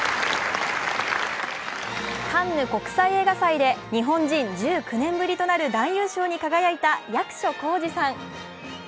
カンヌ国際映画祭で日本人１９年ぶりとなる男優賞に輝いた役所広司さん。